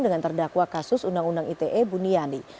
dengan terdakwa kasus undang undang ite buniani